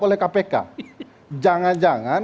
oleh kpk jangan jangan